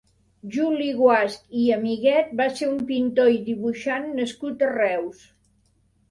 Juli Guasch i Amiguet va ser un pintor i dibuixant nascut a Reus.